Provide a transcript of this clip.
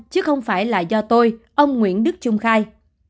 chứ không phải là do tôi ông nguyễn đức trung khai